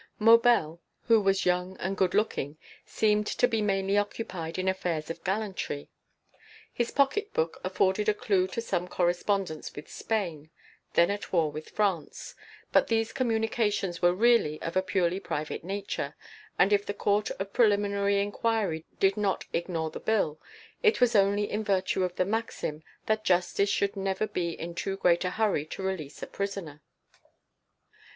Maubel, who was young and good looking, seemed to be mainly occupied in affairs of gallantry. His pocket book afforded a clue to some correspondence with Spain, then at war with France; but these communications were really of a purely private nature, and if the court of preliminary enquiry did not ignore the bill, it was only in virtue of the maxim that justice should never be in too great a hurry to release a prisoner.